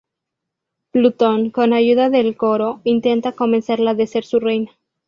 Plutón, con ayuda del coro, intenta convencerla de ser su reina.